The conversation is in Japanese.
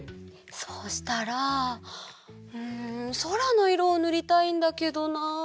そうしたらんそらのいろをぬりたいんだけどな。